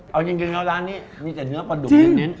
เอาจริงแล้วร้านนี้มีแต่เนื้อปลาดุกเน้น